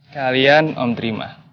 kalian om terima